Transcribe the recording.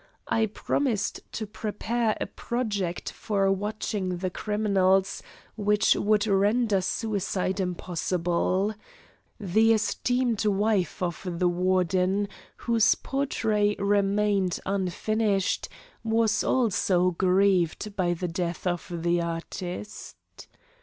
I promised to prepare a project for watching the criminals which would render suicide impossible. The esteemed wife of the Warden, whose portrait remained unfinished, was also grieved by the death of the artist.